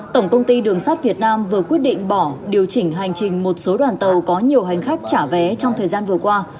tổng công ty đường sắt việt nam vừa quyết định bỏ điều chỉnh hành trình một số đoàn tàu có nhiều hành khách trả vé trong thời gian vừa qua